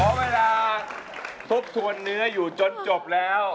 เวลาทบทวนเนื้ออยู่จนจบแล้ว